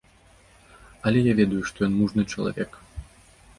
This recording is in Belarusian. Але я ведаю, што ён мужны чалавек.